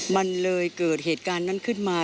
มันเลยเกิดเหตุการณ์นั้นขึ้นมา